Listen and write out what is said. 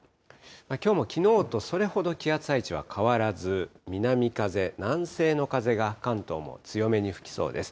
きょうもきのうとそれほど気圧配置は変わらず、南風、南西の風が関東も強めに吹きそうです。